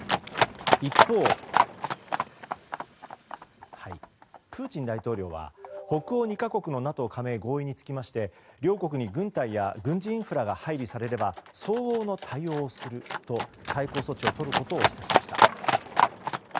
一方、プーチン大統領は北欧２か国のＮＡＴＯ加盟合意について両国に軍隊や軍事インフラが配備されれば相応の対応をすると対抗措置をとることを示唆しました。